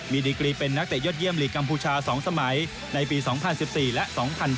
มีดีกรีเป็นนักเตะยอดเยี่ยมลีกกัมพูชา๒สมัยในปี๒๐๑๔และ๒๐๑๘